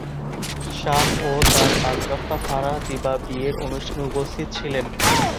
শাহ ও তার বাগদত্তা ফারাহ দিবা বিয়ের অনুষ্ঠানে উপস্থিত ছিলেন।